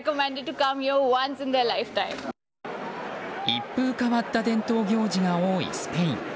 一風変わった伝統行事が多いスペイン。